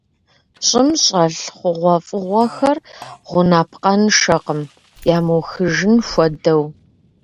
ЩӀым щӀэлъ хъугъуэфӀыгъуэхэр гъунапкъэншэкъым, ямыухыжын хуэдэу.